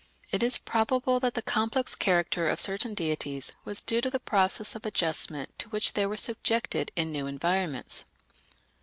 It is probable that the complex character of certain deities was due to the process of adjustment to which they were subjected in new environments.